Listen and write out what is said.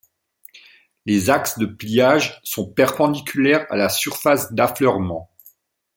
Les axes de pliage sont perpendiculaires à la surface d'affleurement.